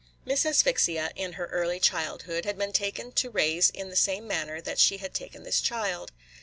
Miss Asphyxia, in her early childhood, had been taken to raise in the same manner that she had taken this child.